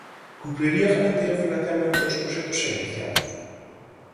Cumpriría garantir o financiamento dos proxectos xa iniciados.